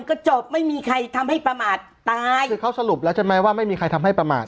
ก็จบไม่มีใครทำให้ประมาทตายคือเขาสรุปแล้วใช่ไหมว่าไม่มีใครทำให้ประมาท